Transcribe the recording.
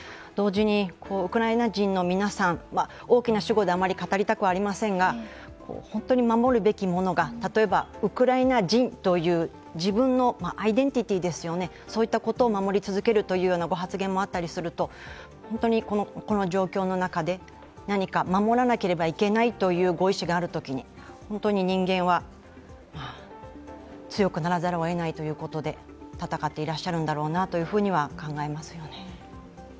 同時にウクライナ人の皆さん大きな主語で余り語りたくはありませんが本当に守るべきものが、例えばウクライナ人という自分のアイデンティティーですよね、そういったことを守り続けるというご発言があったりすると本当にこの状況の中で何か守らなければいけないというご意思があるときに本当に人間は、強くならざるをえないということで戦っていらっしゃるんだろうと考えます。